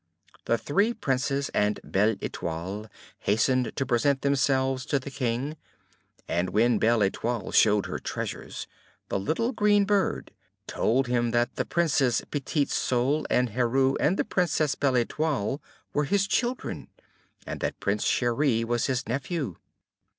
The three Princes and Belle Etoile hastened to present themselves to the King; and when Belle Etoile showed her treasures, the little green bird told him that the Princes Petit Soleil and Heureux and the Princess Belle Etoile were his children, and that Prince Cheri was his nephew.